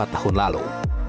empat tahun lalu